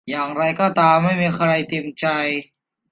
อย่างไรก็ตามไม่มีใครเต็มใจ